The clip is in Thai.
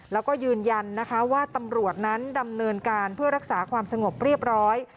แล้วก็ยืนยันนะคะว่าตำรวจนั้นดำเนินการเพื่อรักษาความสงบเรียบร้อย